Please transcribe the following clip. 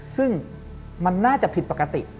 ซึ่งมันน่าจะผิดปกติ